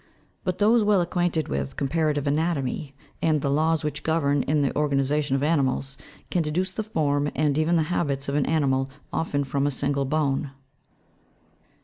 But those well acquainted with comparative anatomy, and the laws which govern in the organization of animals, can deduce the form, and even the habits of an animal, often from a single bone.